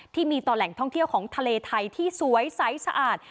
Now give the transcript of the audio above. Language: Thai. ที่มีต่อแหล่งท่องเที่ยวของทะเลไทยที่สวยใสสะอาด